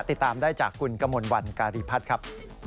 ติดตามได้จากคุณกมลวันการีพัฒน์ครับ